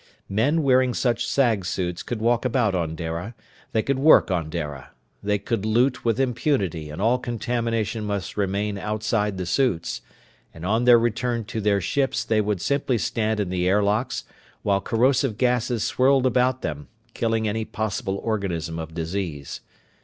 Men wearing such sag suits could walk about on Dara. They could work on Dara. They could loot with impunity and all contamination must remain outside the suits, and on their return to their ships they would simply stand in the airlocks while corrosive gases swirled around them, killing any possible organism of disease.